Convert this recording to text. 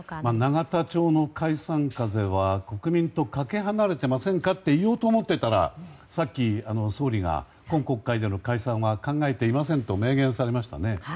永田町の解散風は国民とかけ離れていませんかと言おうと思っていたらさっき総理が今国会での解散は考えていませんと明言されました。